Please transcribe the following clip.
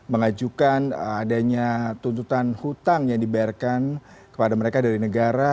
mengajukan adanya tuntutan hutang yang dibayarkan kepada mereka dari negara